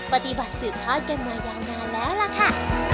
ปฏิบัติสืบทอดกันมายาวนานแล้วล่ะค่ะ